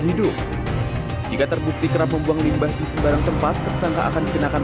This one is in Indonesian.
hidup jika terbukti kerap membuang limbah di sembarang tempat tersangka akan dikenakan